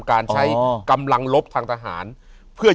อยู่ที่แม่ศรีวิรัยิลครับ